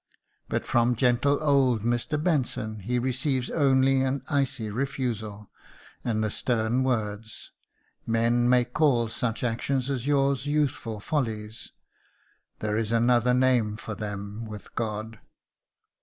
But from gentle old Mr. Benson he receives only an icy refusal, and the stern words, "Men may call such actions as yours youthful follies. There is another name for them with God."